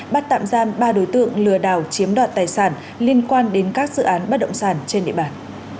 bắt tạm giam ba đối tượng lừa đảo chiếm đoạt tài sản liên quan đến các dự án bất động sản trên địa bàn